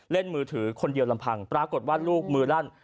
มือถือคนเดียวลำพังปรากฏว่าลูกมือลั่น